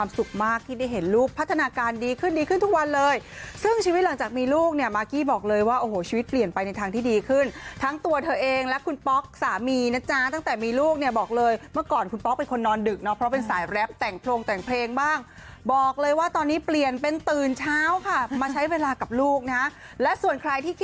ที่ได้เห็นลูกพัฒนาการดีขึ้นดีขึ้นทุกวันเลยซึ่งชีวิตหลังจากมีลูกเนี่ยมากกี้บอกเลยว่าโอ้โหชีวิตเปลี่ยนไปในทางที่ดีขึ้นทั้งตัวเธอเองและคุณป๊อกสามีนะจ๊ะตั้งแต่มีลูกเนี่ยบอกเลยเมื่อก่อนคุณป๊อกเป็นคนนอนดึกเนาะเพราะเป็นสายแรปแต่งโพรงแต่งเพลงบ้างบอกเลยว่าตอนนี้เปลี่ยนเป็นตื่นเช้าค่ะมาใช้เวลากับลูกนะและส่วนใครที่